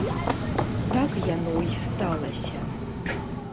Так яно і сталася.